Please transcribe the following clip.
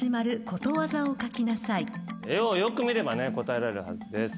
絵をよく見ればね答えられるはずです。